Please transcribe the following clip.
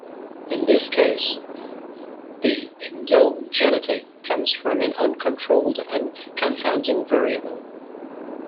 In this case, the endogeneity comes from an uncontrolled confounding variable.